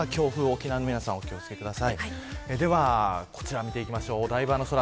明日までは強風に沖縄の皆さんお気を付けください。